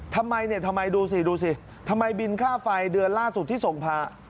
ทำไมเนี่ยทำไมดูสิดูสิทำไมบินค่าไฟเดือนล่าสุดที่ส่งพา